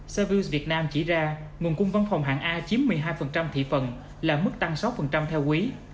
savills việt nam chỉ ra nguồn cung văn phòng hạng a chiếm một mươi hai thị phần là mức tăng sáu theo quý